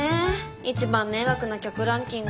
一番迷惑な客ランキング